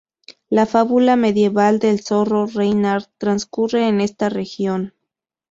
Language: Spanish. La fábula medieval del zorro Reynard transcurre en esta región.